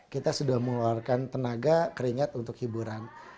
kita sudah mengeluarkan tenaga keringat untuk hiburan